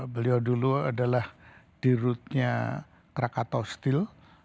beliau dulu adalah di rootnya krakatoa steel